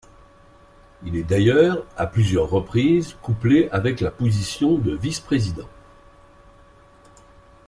Il est d’ailleurs à plusieurs reprises couplé avec la position de vice-président.